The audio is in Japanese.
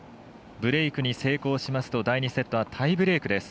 ブレークに成功しますと第２セットはタイブレークです。